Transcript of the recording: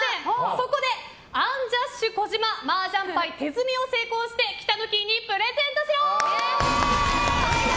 そこで、アンジャッシュ児嶋麻雀牌手積みを成功して北乃きいにプレゼントしろ！